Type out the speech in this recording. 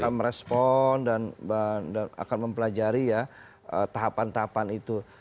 kita merespon dan akan mempelajari ya tahapan tahapan itu